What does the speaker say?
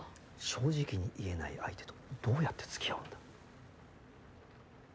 正直に言えない相手とどうやって付き合うんだ。